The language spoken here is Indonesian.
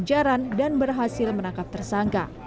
kejaran dan berhasil menangkap tersangka